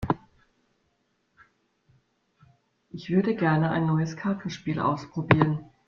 Ich würde gerne ein neues Kartenspiel ausprobieren.